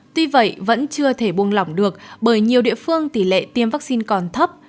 tuy vậy vẫn chưa thể buông lỏng được bởi nhiều địa phương tỷ lệ tiêm vaccine còn thấp